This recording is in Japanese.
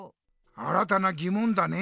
新たなぎもんだね。